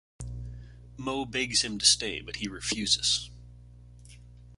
Mo begs him to stay but he refuses.